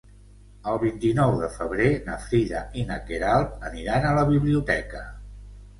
El vint-i-nou de febrer na Frida i na Queralt aniran a la biblioteca.